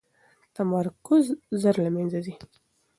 تمرکز ژر له منځه ځي.